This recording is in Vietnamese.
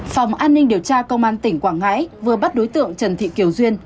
phòng an ninh điều tra công an tỉnh quảng ngãi vừa bắt đối tượng trần thị kiều duyên